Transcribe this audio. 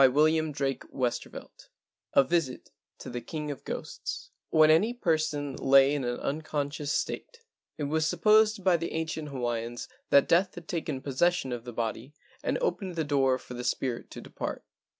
100 LEGENDS OF GHOSTS XIII A VISIT TO THE KING OF GHOSTS any person lay in an unconscious it was supposed by the ancient aiians that death had taken posses¬ sion of the body and opened the door for the spirit to depart.